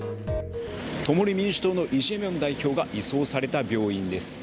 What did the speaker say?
共に民主党のイ・ジェミョン代表が移送された病院です。